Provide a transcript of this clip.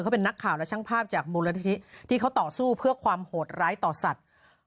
เขาเป็นนักข่าวและช่างภาพจากมูลนิธิที่เขาต่อสู้เพื่อความโหดร้ายต่อสัตว์